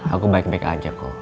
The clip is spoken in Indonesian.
aku baik baik aja kok